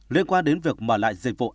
liên quan đến việc mở lại dịch vụ an ninh